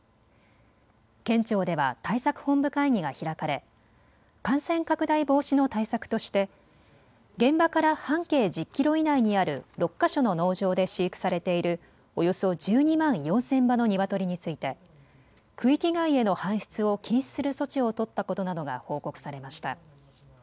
県庁では対策本部会議が開かれ感染拡大防止の対策として現場から半径１０キロ以内にある６か所の農場で飼育されているおよそ１２万４０００羽のニワトリについて区域外への搬出を禁止する措置を取ったことなどが報告されました。